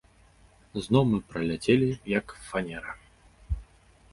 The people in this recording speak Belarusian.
Зноў мы праляцелі, як фанера.